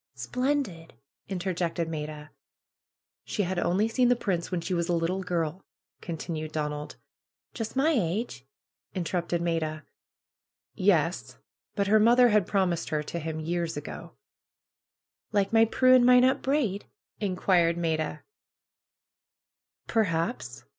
Splendid!" interjected Maida. ^'She had only seen the Prince when she was a little girl," continued Donald. ^'Just my age?" interrupted Maida. '^Yesl But her mother had promised her to him years ago." ^'Like my Prue and Minot Braid?" inquired Maida. Perhaps